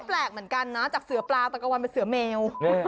เฮ้ยแต่อยู่ตรงจากปลาตะกะวันเป็นเสือแมว